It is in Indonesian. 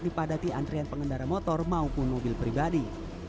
dipadati antrian pengendara motor maupun mobil pribadi